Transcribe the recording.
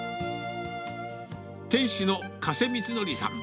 店主の加瀬充規さん。